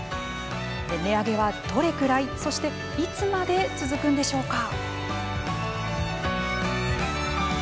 値上げはどれくらい、そしていつまで続くのでしょうか。